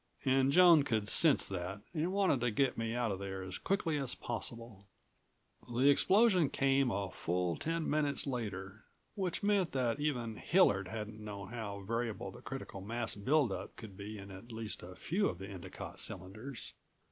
And Joan could sense that, and wanted to get me out of there as quickly as possible. The explosion came a full ten minutes later, which meant that even Hillard hadn't known how variable the critical mass buildup could be in at least a few of the Endicott cylinders.